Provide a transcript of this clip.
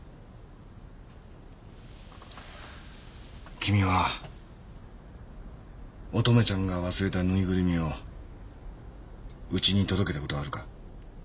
君は乙女ちゃんが忘れたぬいぐるみをうちに届けた事はあるか？